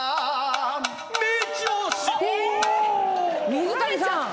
水谷さん